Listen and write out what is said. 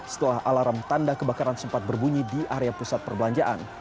setelah alarm tanda kebakaran sempat berbunyi di area pusat perbelanjaan